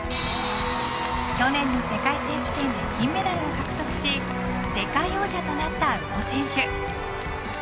去年の世界選手権で金メダルを獲得し世界王者となった宇野選手。